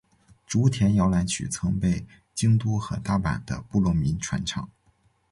竹田摇篮曲曾被京都和大阪的部落民传唱。